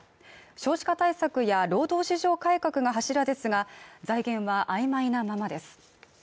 少子化対策や労働市場改革の柱ですが、財源は曖昧なままです。